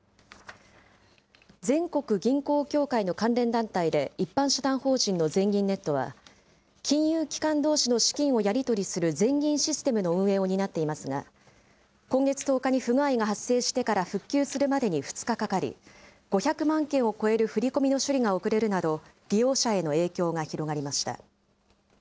全国銀行協会の関連団体で一般社団法人の全銀ネットは、金融機関どうしの資金をやり取りする全銀システムの運営を担っていますが、今月１０日に不具合が発生してから復旧するまでに２日かかり、５００万件を超える振り込みの処理が遅れるなど、利用者への影響が広がりました。